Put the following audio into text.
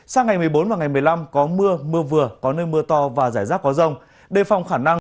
sang ngày một mươi bốn và ngày một mươi năm có mưa mưa vừa có nơi mưa to và giải rác có rông